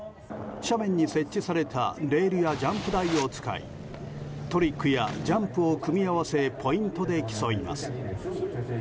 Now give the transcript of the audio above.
斜面に設置されたレールやジャンプ台を使いトリックやジャンプを組み合わせポイントで競います。